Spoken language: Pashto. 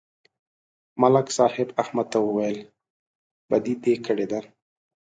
ملک صاحب احمد ته وویل: بدي دې کړې ده